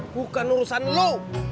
bukan urusan lo